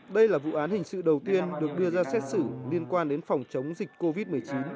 đây là vụ án hình sự đầu tiên được đưa ra xét xử liên quan đến phòng chống dịch covid một mươi chín